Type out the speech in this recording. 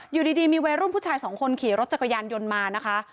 อยู่ดีมีวัยรุ่นผู้ชายสองคนขี่รถจักรยานยนต์มานะคะ